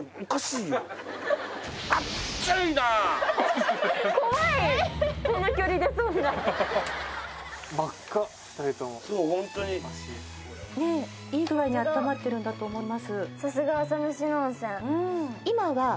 いい具合に温まってるんだと思います。